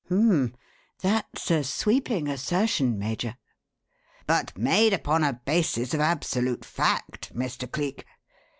"H'm! That's a sweeping assertion, Major." "But made upon a basis of absolute fact, Mr. Cleek.